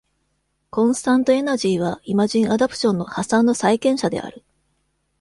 コンスタント・エナジーはイマジン・アダプションの破産の債権者である。